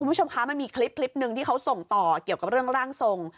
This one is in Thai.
คุณผู้ชมคะมันมีคลิปหนึ่งที่เขาส่งต่อเกี่ยวกับเรื่องร่างทรง